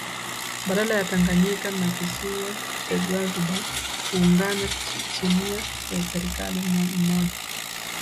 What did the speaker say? baada ya Tanganyika na kisiwa cha Zanzibar kuungana chinia ya serikali mmoja